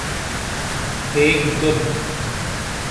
تے گی تول۔